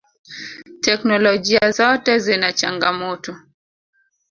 Technolojia zote zina changamoto.